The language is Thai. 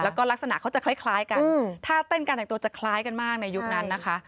แล้วก็ลักษณะเขาจะคล้ายกันถ้าเต้นการแต่งตัวจะคล้ายกันมากในยุคนั้นนะคะ